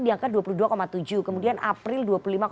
diangkat dua puluh dua tujuh kemudian april